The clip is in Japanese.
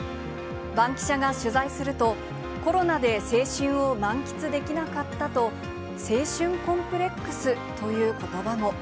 バンキシャが取材すると、コロナで青春を満喫できなかったと、青春コンプレックスということばも。